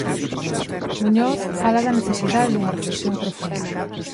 Muñoz fala da necesidade dunha reflexión profunda.